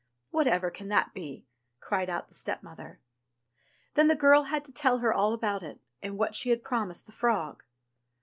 '* "Whatever can that be ?" cried out the stepmother. Then the girl had to tell her all about it, and what she had promised the frog.